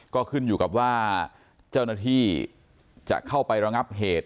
ก็ขึ้นอยู่กับว่าเจ้าหน้าที่จะเข้าไประงับเหตุ